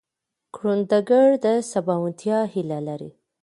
کروندګر د سباوونتیا هیله لري